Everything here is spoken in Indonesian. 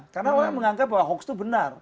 karena orang orang menganggap bahwa hoax itu benar